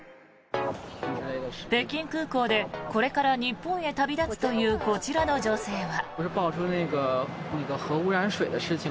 北京空港でこれから日本へ旅立つというこちらの女性は。